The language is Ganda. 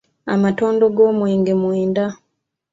Amatondo g’omwenge mwenda.